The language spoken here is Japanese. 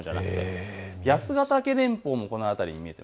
八ヶ岳連峰もこの辺り。